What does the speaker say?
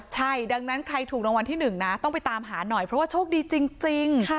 ใช่ดังนั้นใครถูกรางวัลที่๑นะต้องไปตามหาหน่อยเพราะว่าโชคดีจริง